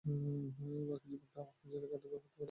বাকি জীবনটা আমাকে জেলে কাটাতে হতে পারে।